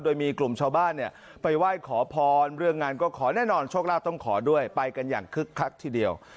โดยมีกลุ่มชาวบ้านเนี่ยไปไหว้ขอพรเรื่องงานก็ขอแน่นอนโชคลาภต้องขอด้วยไปกันอย่างคึกคักทีเดียว